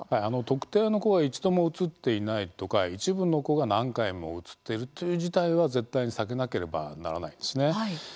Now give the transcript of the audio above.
特定の子が一度も写っていないとか一部の子が何回も写ってるという事態は、絶対に避けなければならないんです。